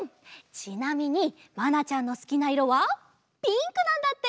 ちなみにまなちゃんのすきないろはピンクなんだって！